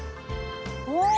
お！